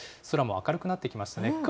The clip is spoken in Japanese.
空も明るくなってきましたね。